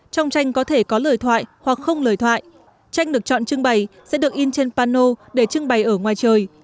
trong tranh có thể có lời thoại hoặc không lời thoại tranh được chọn trưng bày sẽ được in trên pano để trưng bày ở ngoài trời